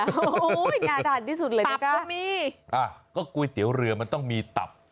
โอ้โหน่าทานที่สุดเลยตับก็มีอ่ะก็ก๋วยเตี๋ยวเรือมันต้องมีตับ